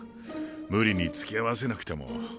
無理に付き合わせなくても。